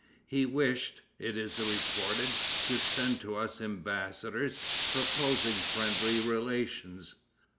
He wished, it is reported, to send to us embassadors, proposing friendly relations.